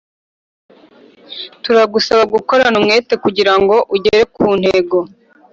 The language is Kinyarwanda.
Turagusaba gukorana umwete, kugira ngo ugere ku ntego.